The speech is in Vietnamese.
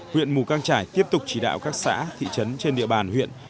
huyện mù căng trải tiếp tục chỉ đạo các xã thị trấn trên địa bàn huyện